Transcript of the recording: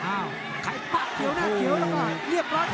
อ้าวแข่งขวาเขียวหน้าเขียวล่ะค่ะ